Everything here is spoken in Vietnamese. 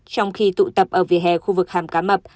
trong khi tụ tập ở vỉa hè khu vực hàm cá mập